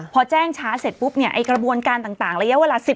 พอแจ้งช้าเสร็จปุ๊บเนี่ยไอ้กระบวนการต่างระยะเวลา๑๐